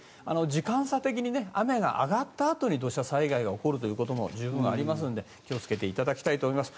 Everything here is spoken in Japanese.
時間差的に雨が上がったあとに土砂災害が起こるということも十分ありますので気をつけていただきたいと思います。